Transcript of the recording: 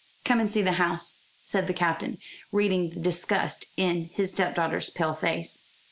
"Come and see the house," said the Captain, reading the disgust in his stepdaughter's pale face.